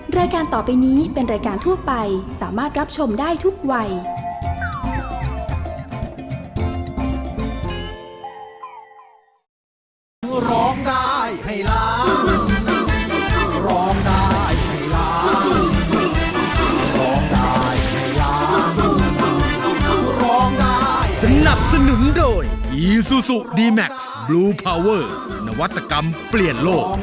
รายการต่อไปนี้เป็นรายการทั่วไปสามารถรับชมได้ทุกวัย